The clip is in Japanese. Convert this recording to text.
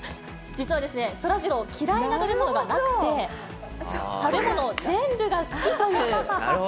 実はですね、嫌いな食べ物がなくて、食べ物、全部が好きという。